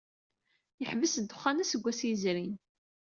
Yeḥbes ddexxan aseggas yezrin.